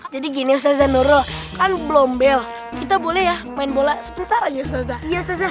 jadi gini susan lecher kan belom bel kita boleh main bola seputar sini